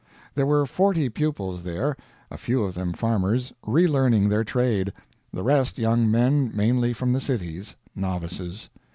There were forty pupils there a few of them farmers, relearning their trade, the rest young men mainly from the cities novices.